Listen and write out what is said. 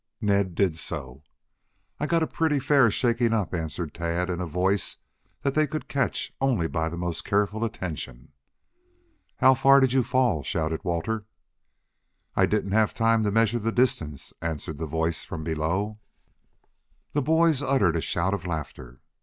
Ned did so. "I got a pretty fair shaking up," answered Tad, in a voice that they could catch only by the most careful attention. "How far did you fall?" shouted Walter. "I didn't have time to measure the distance," answered the voice from below. The boys uttered a shout of laughter.